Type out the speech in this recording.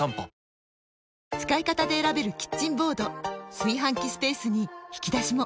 炊飯器スペースに引き出しも！